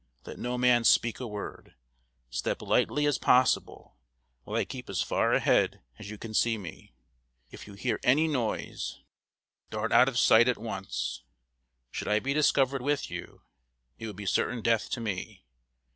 Let no man speak a word. Step lightly as possible, while I keep as far ahead as you can see me. If you hear any noise, dart out of sight at once. Should I be discovered with you, it would be certain death to me.